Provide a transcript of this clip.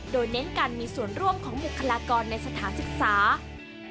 โดยเน้นการมีส่วนร่วมของบุคลากรในสถาสิทธิศาสตร์